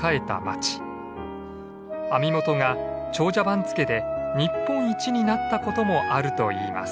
網元が長者番付で日本一になったこともあるといいます。